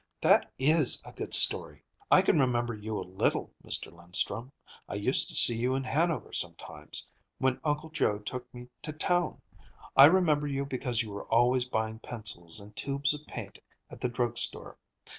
"That IS a good story. I can remember you a little, Mr. Linstrum. I used to see you in Hanover sometimes, when Uncle Joe took me to town. I remember you because you were always buying pencils and tubes of paint at the drug store.